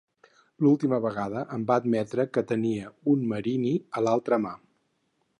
L'última vegada em va admetre que tenia un marini a l'altra mà.